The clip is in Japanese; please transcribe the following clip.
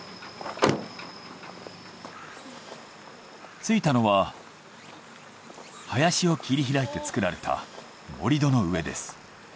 着いたのは林を切りひらいて作られた盛り土の上です。